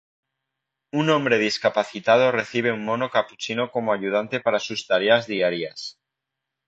Un hombre discapacitado recibe un mono capuchino como ayudante para sus tareas diarias.